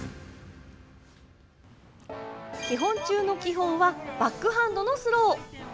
基本中の基本はバックハンドのスロー。